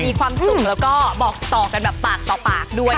มีความสุขแล้วก็บอกต่อกันแบบปากต่อปากด้วย